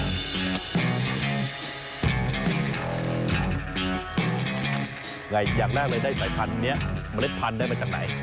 อย่างแรกเลยได้สายพันธุ์นี้เมล็ดพันธุ์ได้มาจากไหน